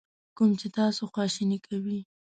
کوم چې تاسو خواشینی کوي.